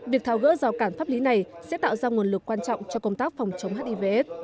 việc tháo gỡ rào cản pháp lý này sẽ tạo ra nguồn lực quan trọng cho công tác phòng chống hivs